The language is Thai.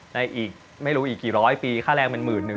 ในอีกไม่รู้อีกกี่ร้อยปีค่าแรงเป็นหมื่นหนึ่ง